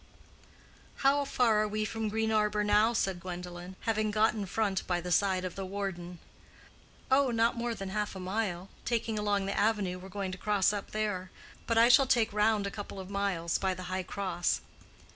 "How far are we from Green Arbor now?" said Gwendolen, having got in front by the side of the warden. "Oh, not more than half a mile, taking along the avenue we're going to cross up there: but I shall take round a couple of miles, by the High Cross."